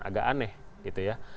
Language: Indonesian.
agak aneh gitu ya